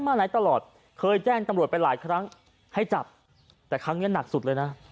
มาหลายตลอดเคยแจ้งตำรวจไปหลายครั้งให้จับแต่ครั้งนี้หนักสุดเลยนะ